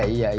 kopi satu ji